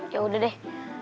ya udah deh